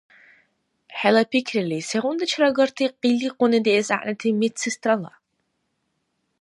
ХӀела пикрили, сегъунти чараагарти къиликъуни диэс гӀягӀнити медсестрала?